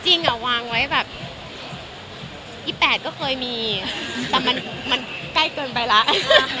จริงวางไว้แบบ๒๘ก็เคยมีแต่มันใกล้เกินไปแล้ว